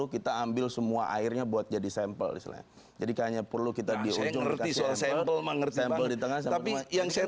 kita ambil semua airnya buat jadi sampel jadi kayaknya perlu kita diunjungi tapi yang saya